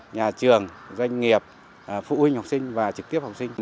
nhà trường doanh nghiệp phụ huynh học sinh và trực tiếp học sinh